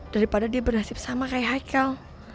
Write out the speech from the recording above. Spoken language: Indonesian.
daripada dia bernasib sama kayak haikal